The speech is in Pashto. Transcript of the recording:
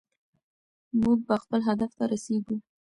موږ به خپل هدف ته رسېږو.